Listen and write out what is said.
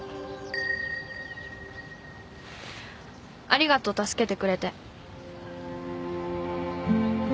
ありがとう助けてくれて。